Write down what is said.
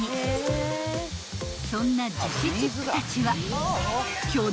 ［そんな樹脂チップたちは］